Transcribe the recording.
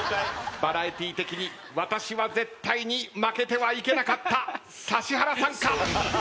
バラエティー的に私は絶対に負けてはいけなかった指原さんか？